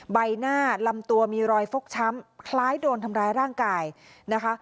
ใบหน้าลำตัวมีรอยฟกช้ำคล้ายโดนทำร้ายร่างกายนะคะ